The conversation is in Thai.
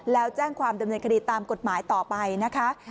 แล้วแจ้งความดำเนินคดีตามกฎหมายต่อไปนะคะ